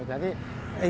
iya sampai ke kita gitu